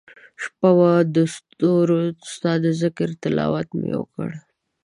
شپه وه دستورو ستا دذکرتلاوت مي وکړ